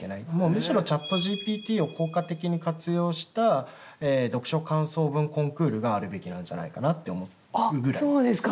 むしろＣｈａｔＧＰＴを効果的に活用した読書感想文コンクールがあるべきなんじゃないかなって思うぐらいです。